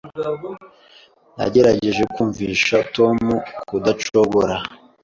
Nagerageje kumvisha Tom kudacogora.